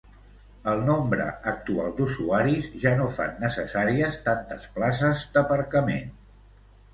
El nombre actual d'usuaris ja no fan necessàries tantes places d'aparcament.